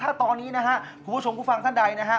เราไม่สามารถติดต่อกับน้องทางฟัง